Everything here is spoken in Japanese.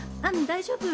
大丈夫。